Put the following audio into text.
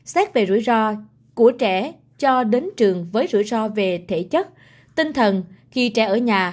xét về rủi ro của trẻ cho đến trường với rủi ro về thể chất tinh thần khi trẻ ở nhà